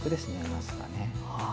なすはね。